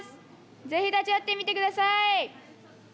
ぜひ立ち寄って見てください。